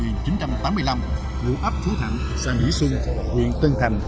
ngũ áp phú thạnh sang mỹ xuân huyện tân thành